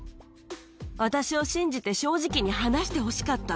私を信じて正直に話してほしかった。